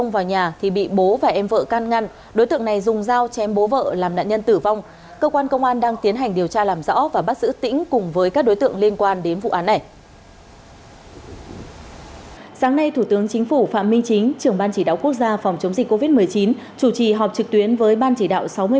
chủ trì họp trực tuyến với ban chỉ đạo sáu mươi ba tỉnh thành phố về công tác phòng chống dịch covid một mươi chín